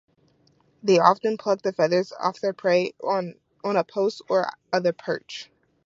They often pluck the feathers off their prey on a post or other perch.